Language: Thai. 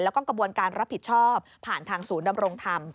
แล้วก็กระบวนการรับผิดชอบผ่านทางศูนย์ดำรงธรรม